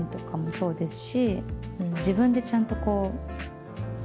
そうですね。